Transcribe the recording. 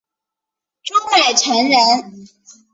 朱买臣人。